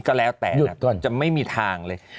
ก็แล้วแต่จะไม่มีทางเลย